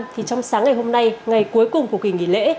thì trong sáng ngày hôm nay ngày cuối cùng của kỳ nghỉ lễ